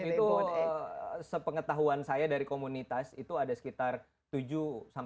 itu sepengetahuan saya dari komunitas itu ada sekitar tujuh delapan orang delapan orang yang memiliki nfc yang